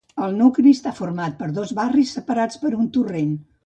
El nucli està format per dos barris separats per un torrent.